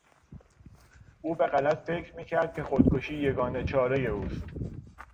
او به غلط فکر میکرد که خودکشی یگانه چارهی اوست.